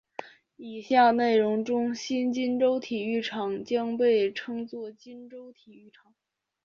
以下内容中新金州体育场将被称作金州体育场。